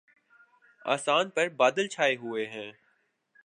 آسان پر بادل چھاۓ ہوۓ ہیں